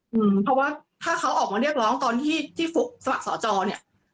อืมเพราะว่าถ้าเขาออกมาเรียกร้องตอนที่ที่สมัครสอจอเนี่ย